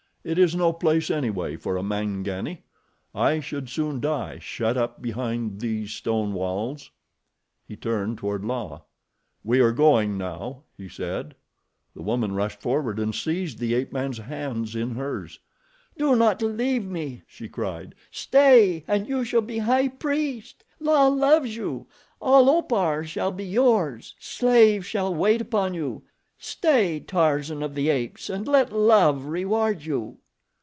It is no place anyway for a Mangani. I should soon die, shut up behind these stone walls." He turned toward La. "We are going now," he said. The woman rushed forward and seized the ape man's hands in hers. "Do not leave me!" she cried. "Stay, and you shall be High Priest. La loves you. All Opar shall be yours. Slaves shall wait upon you. Stay, Tarzan of the Apes, and let love reward you."